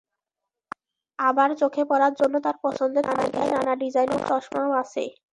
আবার চোখে পরার জন্য তাঁর পছন্দের তালিকায় নানা ডিজাইনের চশমাও আছে।